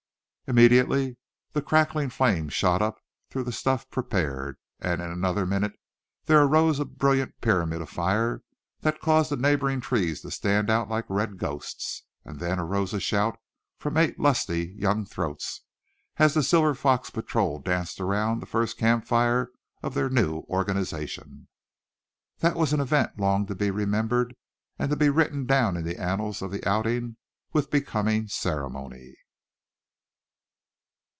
Immediately the crackling flames shot up through the stuff prepared, and in another minute there arose a brilliant pyramid of fire that caused the neighboring trees to stand out like red ghosts. And then arose a shout from eight lusty young throats, as the Silver Fox Patrol danced around the first camp fire of their new organization. That was an event long to be remembered, and to be written down in the annals of the outing with becoming ceremony.